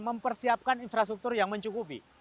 mempersiapkan infrastruktur yang mencukupi